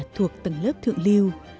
thuộc tầng lớp thượng lưu